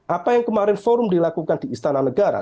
apa yang kemarin forum dilakukan di istana negara